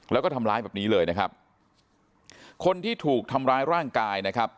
แล้วก็ทำร้ายแบบนี้เลยนะครับคนที่ถูกทำร้ายร่างกายนะครับ